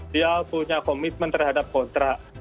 dia punya komitmen terhadap kontrak